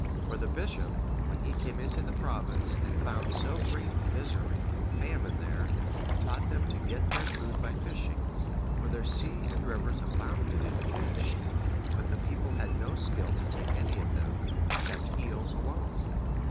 For the bishop, when he came into the province, and found so great misery from famine there, taught them to get their food by fishing; for their sea and rivers abounded in fish, but the people had no skill to take any of them, except eels alone.